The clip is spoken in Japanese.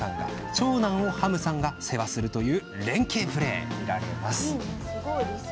長男をハムさんが世話するという連係プレーが見られます。